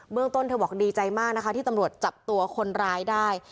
เมืองต้นเธอบอกดีใจมากนะคะที่ตำรวจจับตัวคนร้ายได้